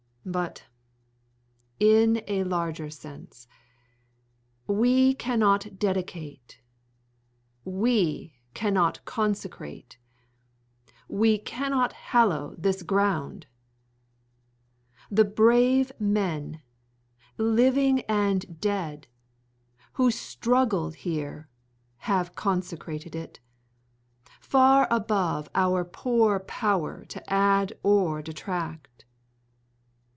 But, in a larger sense, we cannot dedicate. . .we cannot consecrate. .. we cannot hallow this ground. The brave men, living and dead, who struggled here have consecrated it, far above our poor power to add or detract.